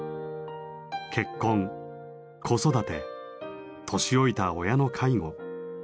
結婚子育て年老いた親の介護。